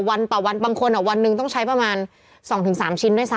วันต่อวันบางคนวันหนึ่งต้องใช้ประมาณ๒๓ชิ้นด้วยซ้